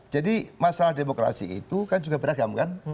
jadi masalah demokrasi itu kan juga beragam kan